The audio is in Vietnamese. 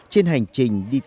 trên hành trình đi tập trung